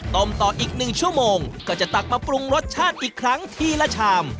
ต่ออีก๑ชั่วโมงก็จะตักมาปรุงรสชาติอีกครั้งทีละชาม